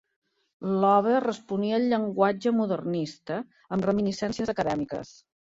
L'obra responia al llenguatge modernista, amb reminiscències acadèmiques.